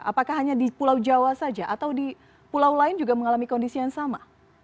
apakah hanya di pulau jawa saja atau di pulau lain juga mengalami kondisi yang sama